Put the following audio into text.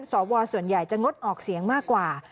สวส่วนใหญ่จะงดออกเสียงมากกว่า